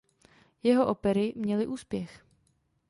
Jeho opery měly úspěch.